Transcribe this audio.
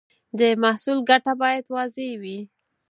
د محصول ګټه باید واضح وي.